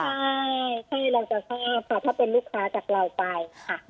ใช่ใช่เราจะแทบครับถ้าเป็นลูกค้าจากเราไป